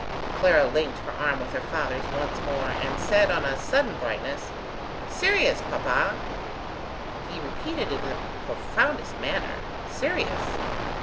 Clara linked her arm with her father's once more, and said, on a sudden brightness: "Sirius, papa!" He repeated it in the profoundest manner: "Sirius!